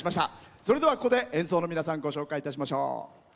それでは、ここで演奏の皆さんご紹介いたしましょう。